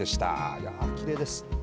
いやー、きれいです。